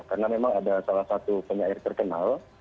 karena memang ada salah satu penyair terkenal